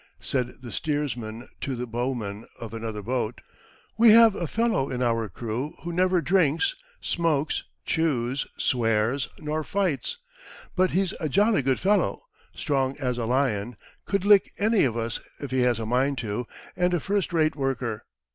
Said the steersman to the bowman of another boat, "We have a fellow in our crew who never drinks, smokes, chews, swears, nor fights; but he's a jolly good fellow, strong as a lion, could lick any of us if he has a mind to, and a first rate worker.